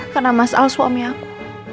karena mas al suami aku